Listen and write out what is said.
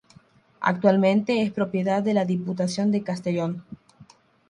Actualmente es propiedad de la Diputación de Castellón.